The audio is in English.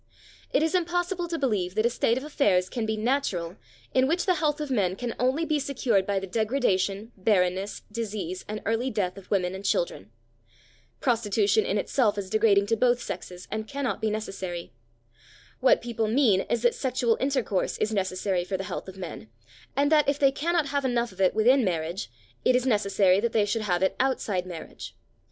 It is impossible to believe that a state of affairs can be natural in which the health of men can only be secured by the degradation, barrenness, disease and early death of women and children. Prostitution in itself is degrading to both sexes, and cannot be necessary. What people mean is that sexual intercourse is necessary for the health of men, and that if they cannot have enough of it within marriage, it is necessary that they should have it outside marriage.